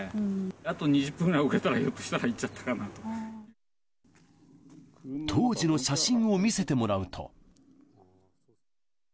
あと２０分ぐらい遅れたら、ひょっとしたら、いっちゃったか当時の写真を見せてもらうと。